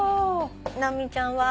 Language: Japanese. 直美ちゃんは？